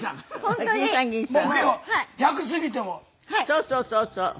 そうそうそうそう。